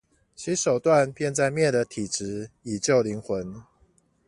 其手段便在滅了體質以救靈魂